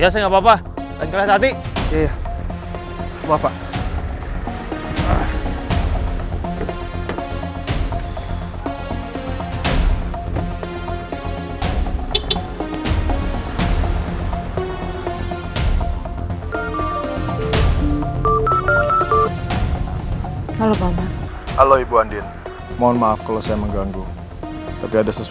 sekarang kan udah ada